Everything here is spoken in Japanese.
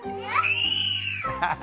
ハハハハ。